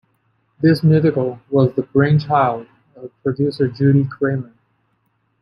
This musical was the brainchild of producer Judy Craymer.